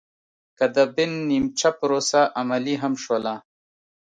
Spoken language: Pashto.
که د بن نیمچه پروسه عملي هم شوله